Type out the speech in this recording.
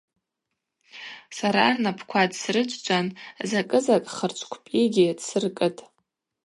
Сара рнапӏква дсрыджвджван закӏы-закӏ хырчӏвкӏвпӏигьи дсыркӏытӏ.